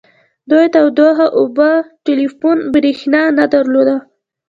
دوی تودوخه اوبه ټیلیفون او بریښنا نه درلوده